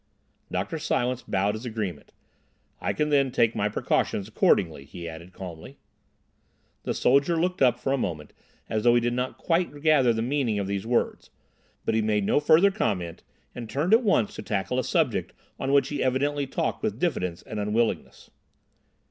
Dr. Silence bowed his agreement. "I can then take my precautions accordingly," he added calmly. The soldier looked up for a moment as though he did not quite gather the meaning of these words; but he made no further comment and turned at once to tackle a subject on which he evidently talked with diffidence and unwillingness.